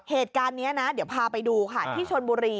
เหตุการณ์นี้นะเดี๋ยวพาไปดูค่ะที่ชนบุรี